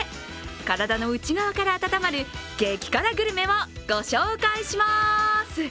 体の内側から温まる激辛グルメをご紹介します。